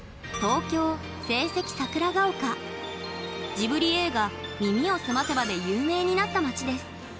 ジブリ映画「耳をすませば」で有名になった街です。